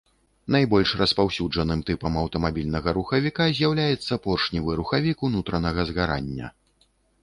Найбольш распаўсюджаным тыпам аўтамабільнага рухавіка з'яўляецца поршневы рухавік унутранага згарання.